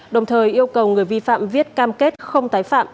đồng thời yêu cầu người vi phạm viết cam kết không tái phạm